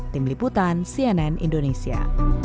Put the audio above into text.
tim liputan cnn indonesia